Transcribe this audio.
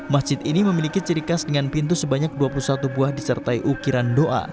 masjid ini memiliki ciri khas dengan pintu sebanyak dua puluh satu buah disertai ukiran doa